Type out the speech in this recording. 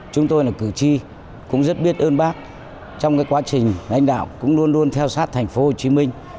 chúng tôi là cử tri cũng rất biết ơn bác trong quá trình lãnh đạo cũng luôn luôn theo sát thành phố hồ chí minh